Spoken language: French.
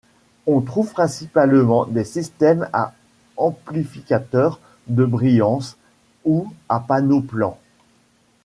On trouve principalement des systèmes à amplificateur de brillance ou à panneaux plans.